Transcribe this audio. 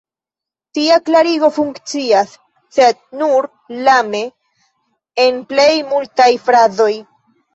Tia klarigo funkcias, sed nur lame, en plej multaj frazoj.